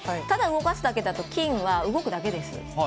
ただ動かすだけだと金は動くだけです。